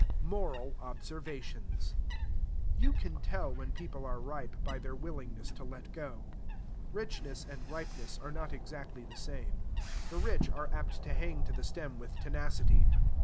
Moral Observations. You can tell when people are ripe by their willingness to let go. Richness and ripeness are not exactly the same. The rich are apt to hang to the stem with tenacity.